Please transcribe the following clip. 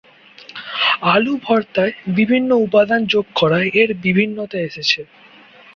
আলু ভর্তায় বিভিন্ন উপাদান যোগ করায় এর বিভিন্নতা এসেছে।